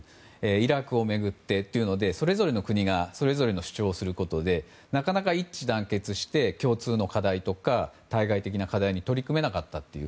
イラクを巡ってというのでそれぞれの国がそれぞれの主張をすることでなかなか一致団結して共通の課題とか対外的な課題に取り組めなかったと。